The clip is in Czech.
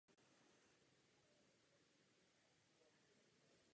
Jejím domovem je Jižní Evropa.